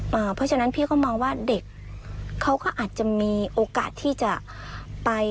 เพราะฉะนั้นพี่ก็มองว่าเด็กเขาก็อาจจะมีโอกาสที่จะไป